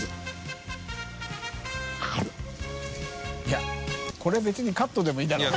いこれ別にカットでもいいだろ？